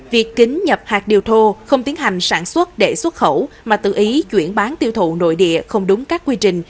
việc kính nhập hạt điều thô không tiến hành sản xuất để xuất khẩu mà tự ý chuyển bán tiêu thụ nội địa không đúng các quy trình